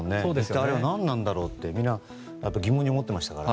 あれは何なんだろうと疑問に思っていましたから。